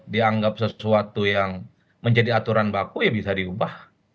dianggap sesuatu yang menjadi aturan baku ya bisa diubah